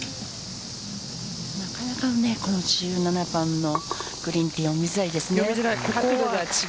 なかなかこの１７番のグリーンピンは読みづらいですね。